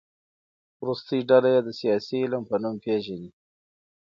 وروستۍ ډله يې د سياسي علم په نوم پېژني.